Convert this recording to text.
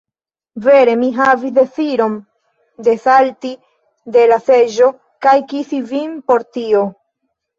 Vere mi havis deziron desalti de la seĝo kaj kisi vin por tio!